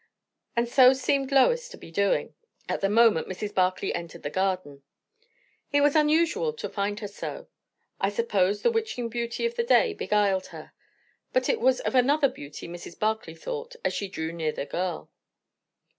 And so seemed Lois to be doing, at the moment Mrs. Barclay entered the garden. It was unusual to find her so. I suppose the witching beauty of the day beguiled her. But it was of another beauty Mrs. Barclay thought, as she drew near the girl.